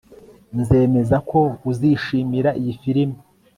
Nzemeza ko uzishimira iyi firime